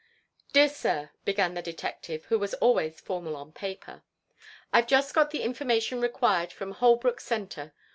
"Dear Sir," began the detective, who was always formal on paper. "I've just got the information required from Holbrook Centre.